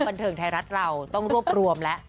บันเทิงไทยรัฐเราต้องรวบรวมแล้ว